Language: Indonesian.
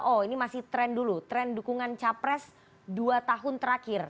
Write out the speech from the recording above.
oh ini masih tren dulu tren dukungan capres dua tahun terakhir